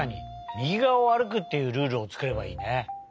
みぎがわをあるくっていうルールをつくればいいね。